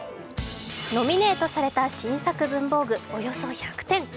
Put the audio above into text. ノミネートされた新作文房具およそ１００点。